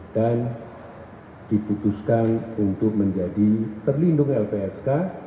dan diputuskan untuk menjadi terlindung lpsk